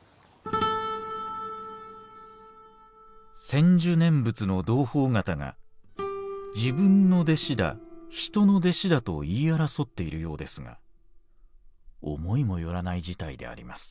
「専修念仏の同朋方が自分の弟子だ人の弟子だと言い争っているようですが思いもよらない事態であります。